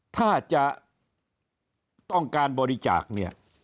ถ้าจะต้องบริจาคเนี่ย